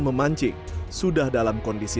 memancing sudah dalam kondisi